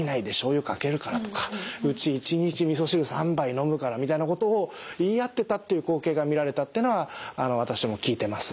ゆかけるから」とか「うち１日みそ汁３杯飲むから」みたいなことを言い合ってたっていう光景が見られたってのは私も聞いてます。